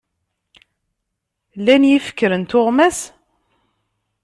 Lan yifekren tuɣmas?